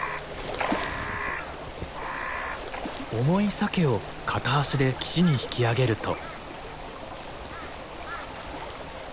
重いサケを片足で岸に引き上げると。